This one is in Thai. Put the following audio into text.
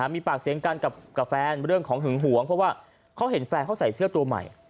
มีปากเสียงกันกับแฟนเรื่องของหึงหวงเพราะว่าเขาเห็นแฟนเขาใส่เสื้อตัวใหม่